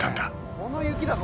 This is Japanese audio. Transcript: この雪だぞ